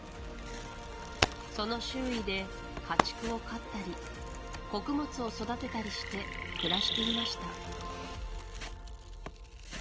その周囲で家畜を飼ったり穀物を育てたりして暮らしていました